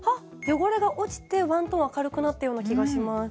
汚れが落ちてワントーン明るくなったような気がします